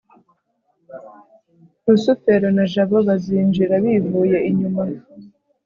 rusufero na jabo bazinjira bivuye inyuma